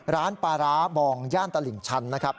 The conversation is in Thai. ร้านปลาร้าบองย่านตลิ่งชันนะครับ